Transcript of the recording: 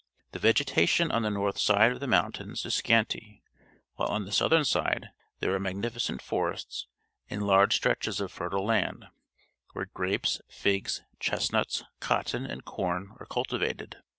The vegetation on the north side of the moun tains is scanty, while on the southern side there are magnificent forests and large stretches of fertile land, where grapes, figs, chestnuts, cotton, and corn are cultivated.